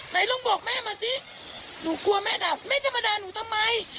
ไหนลองบอกแม่มาสิหนูกลัวแม่ด่าแม่จะมาด่าหนูทำไม